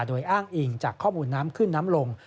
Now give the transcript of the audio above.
โดยอ้างอิงจากข้อมูลน้ำขึ้นน้ำลง